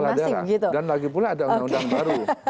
kepala daerah dan lagi pula ada undang undang baru